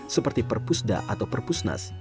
seperti perpusda atau perpusnas